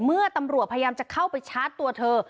เมื่อตำรวจพยายามจะเข้าไปชาร์จตัวเธอ